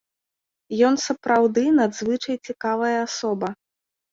Ён сапраўды надзвычай цікавая асоба.